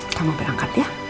kamu berangkat ya